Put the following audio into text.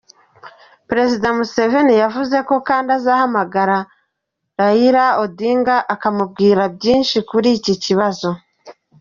Perezida Museveni yavuze kandi ko azahamagara Raila Odinga akamubwira byinshi kuri iki kibazo.